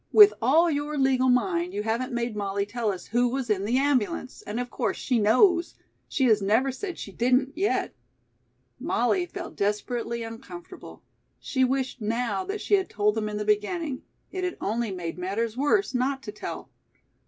"With all your legal mind you haven't made Molly tell us who was in the ambulance, and of course she knows. She has never said she didn't, yet." Molly felt desperately uncomfortable. She wished now that she had told them in the beginning. It had only made matters worse not to tell.